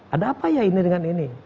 ada apa ya ini dengan ini